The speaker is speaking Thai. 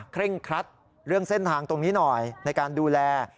เร่งครัดเรื่องเส้นทางตรงนี้หน่อยในการดูแล